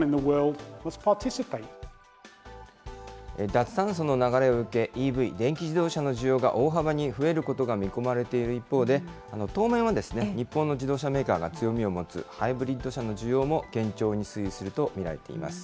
脱炭素の流れを受け、ＥＶ・電気自動車の需要が大幅に増えることが見込まれている一方で、当面は日本の自動車メーカーが強みを持つハイブリッド車の需要も堅調に推移すると見られています。